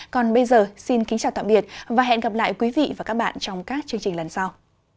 còn bây giờ xin kính chào tạm biệt và hẹn gặp lại quý vị và các bạn trong các chương trình lần sau